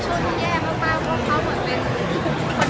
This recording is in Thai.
ช่องความหล่อของพี่ต้องการอันนี้นะครับ